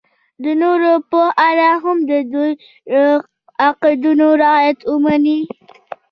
د نورو په اړه هم د دې قاعدو رعایت ومني.